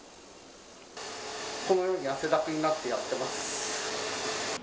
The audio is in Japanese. このように汗だくになってやってます。